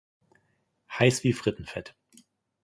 Heiss wie Frittenfett.